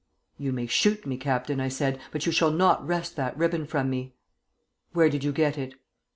'You may shoot me, Captain,' I said, 'but you shall not wrest that ribbon from me.' 'Where did you get it?'